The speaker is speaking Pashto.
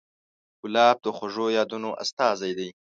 ګلاب د خوږو یادونو استازی دی.